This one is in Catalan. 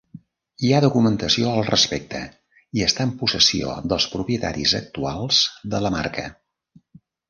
Hi ha documentació al respecte i està en possessió dels propietaris actuals de la marca.